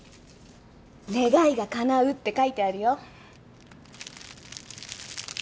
「願いが叶う」って書いてあるよ。